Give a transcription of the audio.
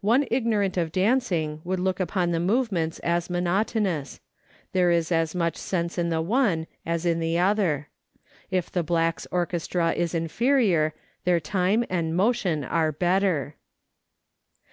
One ignorant of dancing Avould look upon the move ments as monotonous ; there is as much sense in the one as in the other. If the blacks' orchestra is inferior, their time and motion are better.